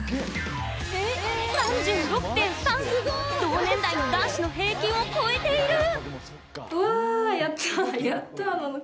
同年代の男子の平均を超えている！